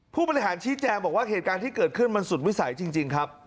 ผู้บริหารชี้แจงบอกว่าเหตุการณ์ที่เกิดขึ้นมันสุดวิสัยจริงครับ